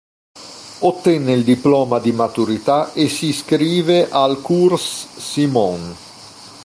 Ottenne il diploma di maturità e si iscrive al Cours Simon.